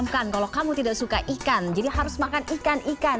bukan kalau kamu tidak suka ikan jadi harus makan ikan ikan